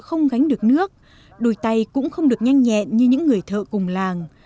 không gánh được nước đôi tay cũng không được nhanh nhẹn như những người thợ cùng làng